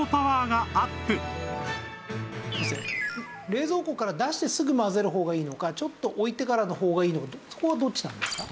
冷蔵庫から出してすぐ混ぜる方がいいのかちょっと置いてからの方がいいのかそこはどっちなんですか？